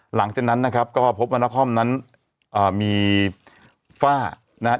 หลังจากนั้นนะครับก็พบว่านครนั้นมีฝ้านะครับ